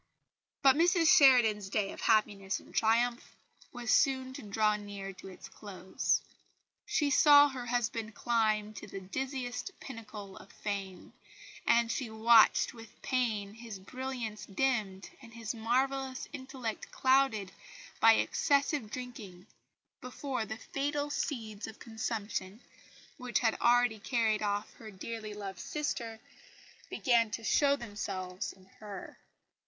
But Mrs Sheridan's day of happiness and triumph was soon to draw near to its close. She saw her husband climb to the dizziest pinnacle of fame, and she watched with pain his brilliance dimmed, and his marvellous intellect clouded by excessive drinking, before the fatal seeds of consumption, which had already carried off her dearly loved sister, began to show themselves in her.